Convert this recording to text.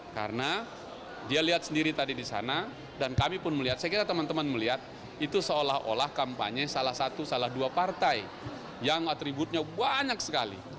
karena dia lihat sendiri tadi di sana dan kami pun melihat saya kira teman teman melihat itu seolah olah kampanye salah satu salah dua partai yang atributnya banyak sekali